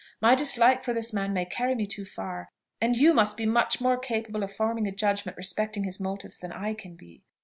My dislike for this man may carry me too far, and you must be much more capable of forming a judgment respecting his motives than I can be.